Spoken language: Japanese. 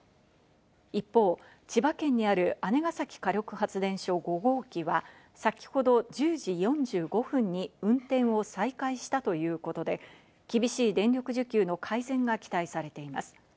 一方、千葉県にある姉崎火力発電所５号機は先ほど１０時４５分に運転を再開したということで、厳しい電力需給の改善が期待されています。